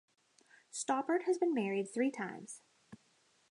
Stoppard has been married three times.